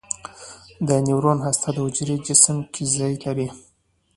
د نیورون هسته په حجروي جسم کې ځای لري.